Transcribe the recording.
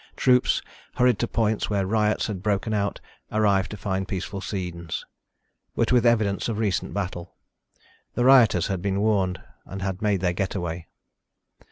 Troops, hurried to points where riots had broken out, arrived to find peaceful scenes, but with evidence of recent battle. The rioters had been warned, had made their getaway.